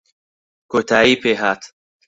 کۆتایی پێ هات